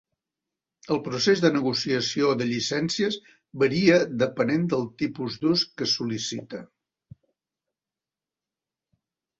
El procés de negociació de llicències varia depenent del tipus d'ús que es sol·licita.